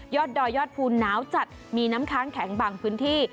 ดอยยอดภูหนาวจัดมีน้ำค้างแข็งบางพื้นที่